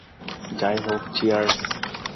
যাইহোক, চিয়ার্স!